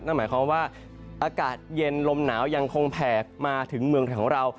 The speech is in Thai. นั่นหมายความว่าอากาศเย็นลมหนาวยังคงแผ่มาถึงเมืองไทยของเรา